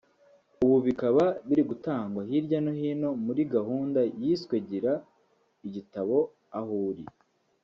ubu bikaba biri gutangwa hirya no hino muri gahunda yiswe gira igitabo aho uri